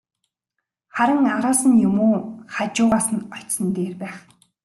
Харин араас нь юм уу, хажуугаас нь очсон нь дээр байх.